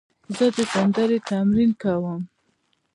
زه د سندرې تمرین کوم.